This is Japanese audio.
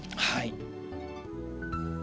はい。